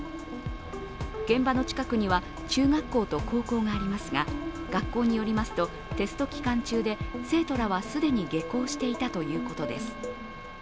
現場の近くには中学校と高校がありますが、学校によりますとテスト期間中で生徒らは既に下校していたということです。